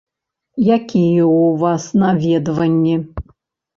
Якія ў вас наведванні?